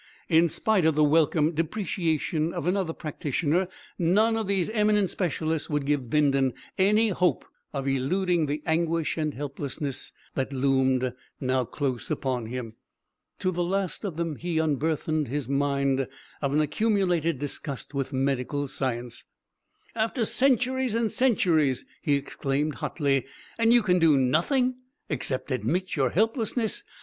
In spite of the welcome depreciation of another practitioner, none of these eminent specialists would give Bindon any hope of eluding the anguish and helplessness that loomed now close upon him. To the last of them he unburthened his mind of an accumulated disgust with medical science. "After centuries and centuries," he exclaimed hotly; "and you can do nothing except admit your helplessness.